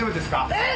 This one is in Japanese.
えっ？